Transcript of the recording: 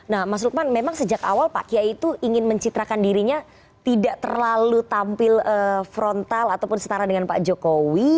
nah mas lukman memang sejak awal pak kiai itu ingin mencitrakan dirinya tidak terlalu tampil frontal ataupun setara dengan pak jokowi